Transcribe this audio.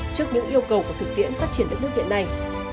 trước những yêu cầu của thực tiễn phát triển đất nước hiện nay